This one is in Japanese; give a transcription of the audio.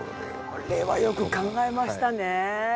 これはよく考えましたね。